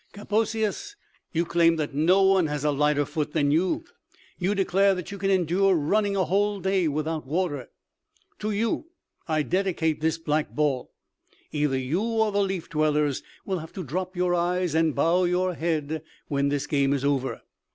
Kaposias, you claim that no one has a lighter foot than you; you declare that you can endure running a whole day without water. To you I dedicate this black ball. Either you or the Leaf Dwellers will have to drop your eyes and bow your head when the game is over.